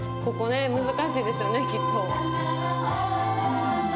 ここね難しいですよねきっと。